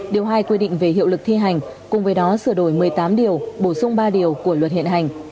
điều hai quy định về hiệu lực thi hành cùng với đó sửa đổi một mươi tám điều bổ sung ba điều của luật hiện hành